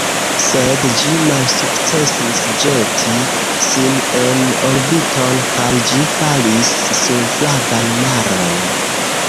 Sed ĝi malsukcesis ĵeti sin en orbiton, kaj ĝi falis sur Flavan Maron.